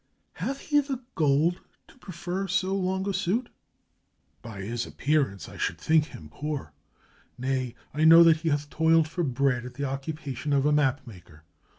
"Hath he the gold to prefer so long a suit?" "By his appearance, I should think him poor — nay, I know that he hath toiled for bread at the occupation of a map maker.